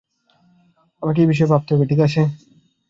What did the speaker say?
আমাকে এই বিষয়ে ভাবতে হবে, ঠিক আছে?